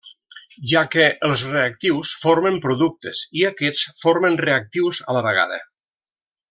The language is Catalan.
Ja que els reactius formen productes i aquests formen reactius a la vegada.